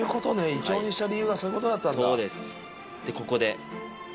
イチョウにした理由がそういうことだったんだ何でしょう？